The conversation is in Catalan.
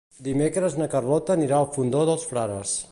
Dimecres na Carlota anirà al Fondó dels Frares.